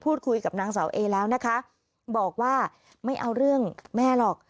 คุยกับนางสาวเอแล้วนะคะบอกว่าไม่เอาเรื่องแม่หรอก